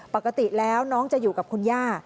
ปกติแล้วน้องจะอยู่กับคุณย่า